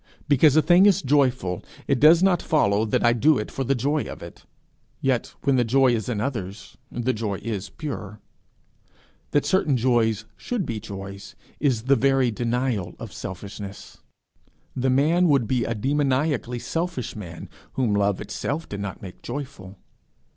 Because a thing is joyful, it does not follow that I do it for the joy of it; yet when the joy is in others, the joy is pure. That certain joys should be joys, is the very denial of selfishness. The man would be a demoniacally selfish man, whom love itself did not make joyful.